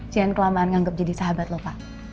jangan kelamaan nganggep jadi sahabat loh pak